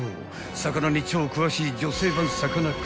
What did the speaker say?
［魚に超詳しい女性版さかなクン］